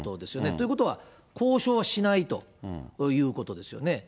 ということは、交渉はしないということですよね。